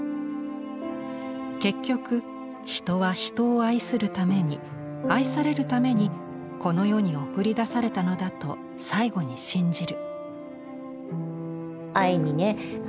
「結局、人は、人を愛するために愛されるためにこの世に送り出されたのだと最期に信じる」。